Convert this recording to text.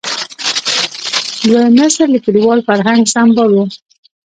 دویم نسل د کلیوال فرهنګ سمبال و.